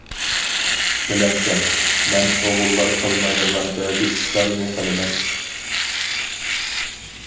بىلەمسەن؟ مەن ئوغۇللار قىلمايدىغان بەزى ئىشلارنى قىلىمەن.